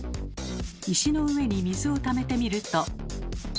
石の上に水をためてみると。